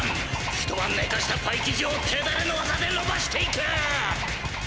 ひとばんねかしたパイ生地を手だれのわざでのばしていく！